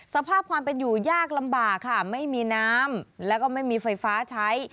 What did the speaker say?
สภาพความเป็นอยู่ยากลำบากค่ะไม่มีน้ำแล้วก็ไม่มีไฟฟ้าใช้